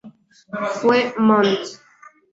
Fue Mons.